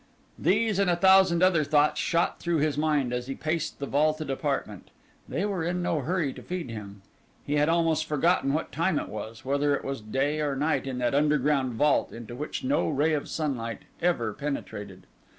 These and a thousand other thoughts shot through his mind as he paced the vaulted apartment. They were in no hurry to feed him. He had almost forgotten what time it was; whether it was day or night in that underground vault into which no ray of sunlight ever penetrated.